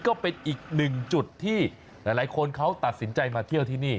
ก็เป็นอีกหนึ่งจุดที่หลายคนเขาตัดสินใจมาเที่ยวที่นี่